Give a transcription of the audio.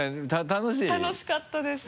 楽しかったです